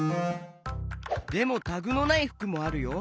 でもタグのないふくもあるよ。